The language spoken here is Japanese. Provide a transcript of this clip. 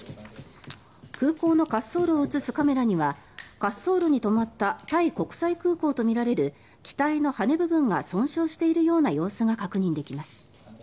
空港の滑走路を映すカメラには滑走路に止まったタイ国際航空とみられる機体の羽部分が損傷しているような様子が確認できます。